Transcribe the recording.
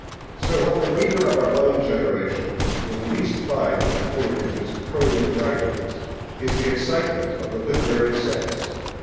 So what the reader of our own generation will least find in Coleridge's prose writings is the excitement of the literary sense.